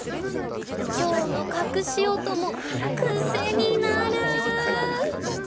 きょうのかくし音もくせになる！